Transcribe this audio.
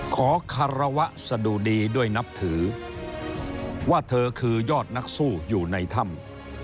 ขอคารวะสะดุดีด้วยนับถือว่าเธอคือยอดนักสู้อยู่ในถ้ำ